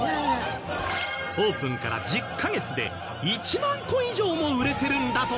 オープンから１０カ月で１万個以上も売れてるんだとか。